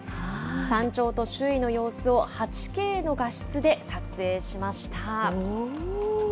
山頂と周囲の様子を８Ｋの画質で撮影しました。